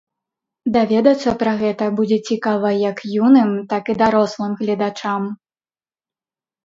Даведацца пра гэта будзе цікава як юным, так і дарослым гледачам.